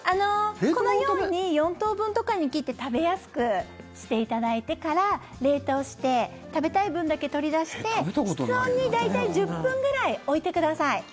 このように４等分とかに切って食べやすくしていただいてから冷凍して食べたい分だけ取り出して室温に大体１０分くらい置いてください。